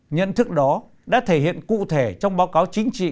nhận thức đó đã thể hiện cụ thể trong báo cáo chính trị